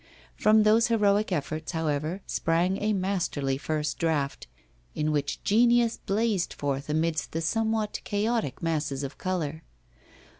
From those heroic efforts, however, sprang a masterly first draught in which genius blazed forth amidst the somewhat chaotic masses of colour.